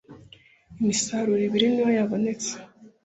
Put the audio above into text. Imisaruro ibiri niyo yabonetse